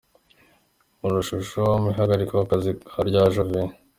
Urujujo mu ihagarikwa ku kazi rya Jovia.